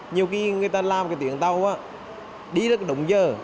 nhiều khi người ta làm cái tuyển tàu á đi rất đúng giờ